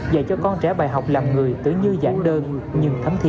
dạy cho con trẻ bài học làm người tử như giảng đơn